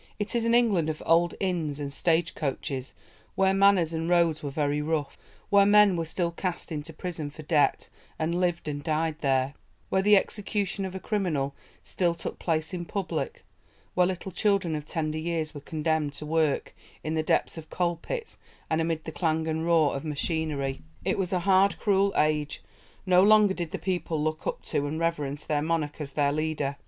It is an England of old inns and stagecoaches, where "manners and roads were very rough"; where men were still cast into prison for debt and lived and died there; where the execution of a criminal still took place in public; where little children of tender years were condemned to work in the depths of coal pits, and amid the clang and roar of machinery. It was a hard, cruel age. No longer did the people look up to and reverence their monarch as their leader.